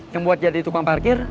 yang buat jadi tukang parkir